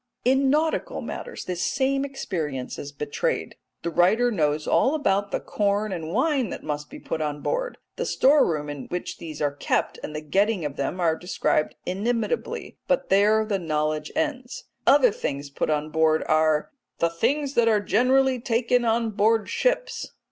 In nautical matters the same inexperience is betrayed. The writer knows all about the corn and wine that must be put on board; the store room in which these are kept and the getting of them are described inimitably, but there the knowledge ends; the other things put on board are "the things that are generally taken on board ships."